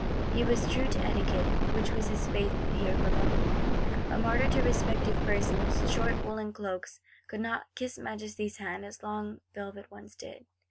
He was true to Etiquette, which was his Faith here below; a martyr to respect of persons. Short woollen cloaks could not kiss Majesty's hand as long velvet ones did.